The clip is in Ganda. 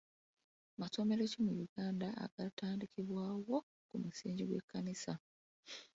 Masomero ki mu Uganda agaatandikibwawo ku musingi gw'ekkanisa?